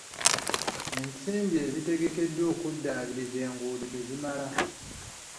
Ensimbi ezigerekeddwa okuddaabiriza enguudo tezimala.